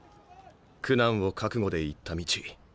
苦難を覚悟で行った道。